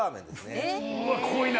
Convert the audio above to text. うわ濃いな！